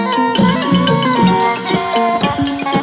กลับมารับทราบ